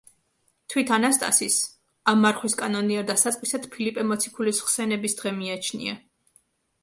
თვით ანასტასის ამ მარხვის კანონიერ დასაწყისად ფილიპე მოციქულის ხსენების დღე მიაჩნია.